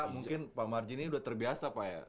mungkin pak marji ini sudah terbiasa pak ya